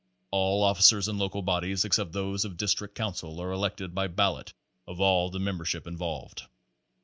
All officers in local bodies except those of district council are elected by ballot of all the membership in volved.